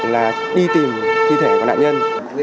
là đi tìm thi thể của nạn nhân